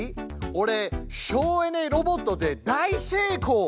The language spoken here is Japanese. オレ省エネロボットで大成功。